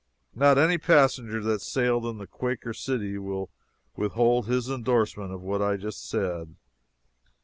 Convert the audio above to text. Not any passenger that sailed in the __Quaker City__ will withhold his endorsement of what I have just said.